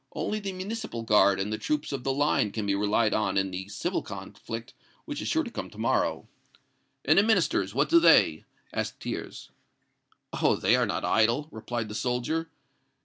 Only the Municipal Guard and the troops of the Line can be relied on in the civil conflict, which is sure to come to morrow." "And the Ministers, what do they?" asked Thiers. "Oh! they are not idle," replied the soldier.